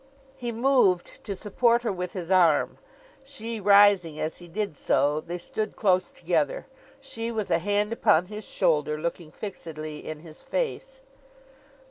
He moved, to support her with his arm. She rising as he did so, they stood close together: she, with a hand upon his shoulder, looking fixedly in his face.